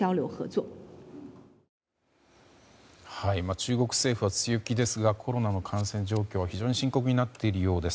中国政府は強気ですがコロナの感染状況は非常に深刻になっているようです。